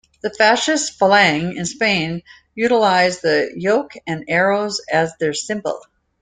The fascist Falange in Spain utilized the yoke and arrows as their symbol.